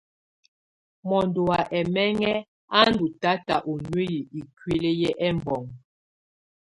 Mɔndɔ wa ɛmɛŋɛ a ndù tata u nuiyi ikuili yɛ ɛbɔŋɔ.